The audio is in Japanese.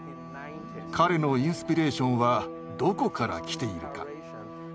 彼のインスピレーションはどこから来ているか。